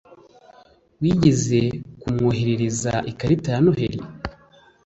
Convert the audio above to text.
Wigeze kumwoherereza ikarita ya Noheri?